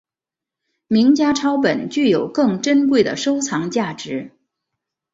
名家抄本具有更珍贵的收藏价值。